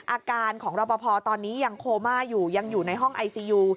อาการของรอปภตอนนี้ยังโคม่าอยู่ยังอยู่ในห้องไอซียู